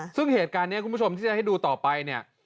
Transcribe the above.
ซึ่งเหตุการณ์นี้คุณผู้ชมที่จะให้ดูต่อไปเนี่ย